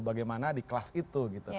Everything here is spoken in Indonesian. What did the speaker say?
bagaimana di kelas itu